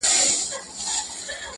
پر سوځېدلو ونو!!